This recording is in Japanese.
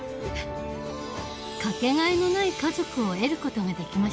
かけがえのない家族を得ることができました